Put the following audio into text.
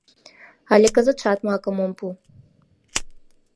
— Але кызытшат макым ом пу.